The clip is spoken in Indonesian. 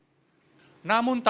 namun tak sepenuhnya